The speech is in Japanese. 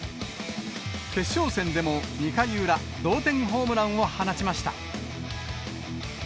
決勝戦でも、２回裏、同点ホームランを放ちました。